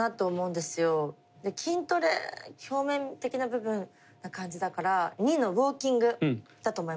で筋トレ表面的な部分な感じだから２のウォーキングだと思います。